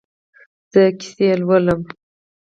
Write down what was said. زه کیسې لولم